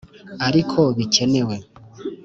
ariko bikenewe